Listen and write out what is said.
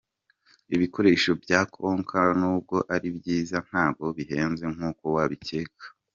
Ibikoresho bya konka nubwo ari byiza ntago bihenze nkuko wabikeka.